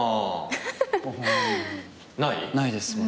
ないです。